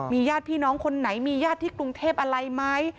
ญาติพี่น้องคนไหนมีญาติที่กรุงเทพอะไรไหม